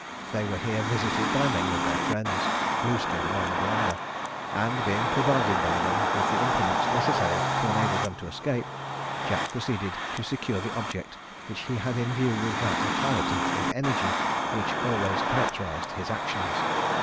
They were here visited by many of their friends, Blueskin among the number; and being provided by them with the implements necessary to enable them to escape, Jack proceeded to secure the object which he had in view with that alacrity and energy which always characterised his actions.